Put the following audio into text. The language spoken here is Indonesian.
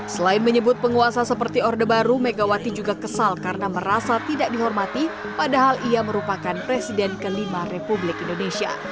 selain menyebut penguasa seperti orde baru megawati juga kesal karena merasa tidak dihormati padahal ia merupakan presiden kelima republik indonesia